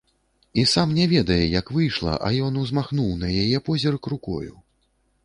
І сам не ведае, як выйшла, а ён узмахнуў на яе позірк рукою.